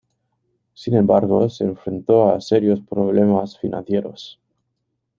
Sin embargo, se enfrentó a serios problemas financieros.